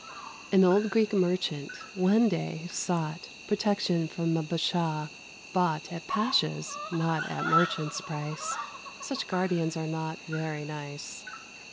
An old Greek Merchant, one day, sought Protection from a Bashaw, bought At pasha's, not at merchant's, price (Such guardians are not very nice).